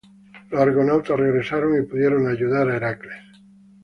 Los Argonautas regresaron y pudieron ayudar a Heracles.